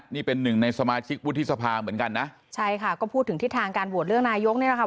นี่เป็นหนึ่งในสมาชิกวุฒิษภาเหมือนกันนะใช่ค่ะก็พูดถึงทิศทางการบวชเรื่องนายกวันพรุ่งนี้